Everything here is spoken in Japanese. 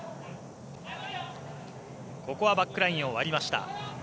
ここはバックラインを割りました。